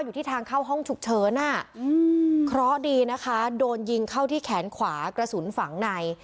อยู่ที่ทางเข้าห้องฉุกเฉินเคราะห์ดีนะคะโดนยิงเข้าที่แขนขวากระสุนฝังใน